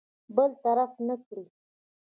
برطرف نه کړي.